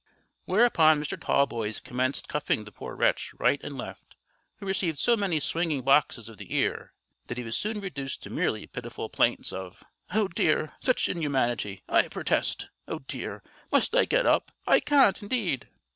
Whereupon Mr. Tallboys commenced cuffing the poor wretch right and left, who received so many swingeing boxes of the ear that he was soon reduced to merely pitiful plaints of "Oh, dear! such inhumanity! I purtest! Oh, dear! must I get up? I can't, indeed."